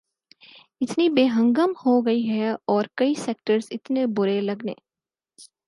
اتنی بے ہنگم ہو گئی ہے اور کئی سیکٹرز اتنے برے لگنے